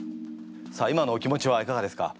さあ今のお気持ちはいかがですか？